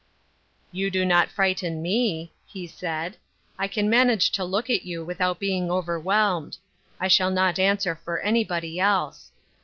"You do not frighten me," he said. "lean manage to look at you without being over« whelmed. I shall not answer for anybody else.